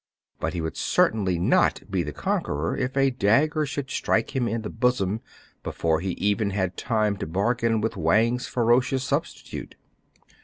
But he would certainly not be the conqueror if a dagger should strike him in the bosom before he even had time to bargain with Wang's ferocious substitute.